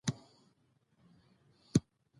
وطن، خدمت کومه